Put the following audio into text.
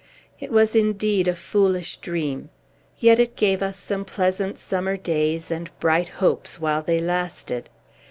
It was, indeed, a foolish dream! Yet it gave us some pleasant summer days, and bright hopes, while they lasted.